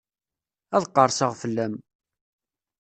Ad qerseɣ fell-am.